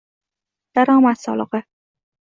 daromad solig'i